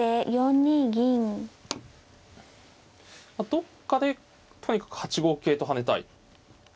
どっかでとにかく８五桂と跳ねたい。